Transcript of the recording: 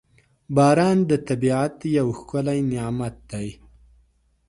• باران د طبیعت یو ښکلی نعمت دی.